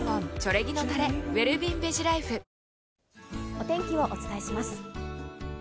お天気をお伝えします。